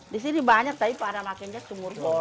disini banyak tapi pada makinnya sumur bor